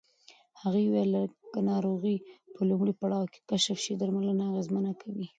هغې وویل که ناروغي په لومړي پړاو کې کشف شي، درملنه اغېزمنه ده.